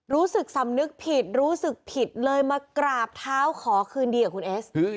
รู้สึกสำนึกผิดรู้สึกผิดเลยมากราบเท้าขอคืนดีกับคุณเอส